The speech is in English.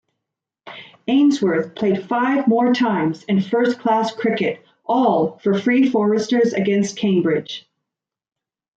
Ainsworth played five more times in first-class cricket, all for Free Foresters against Cambridge.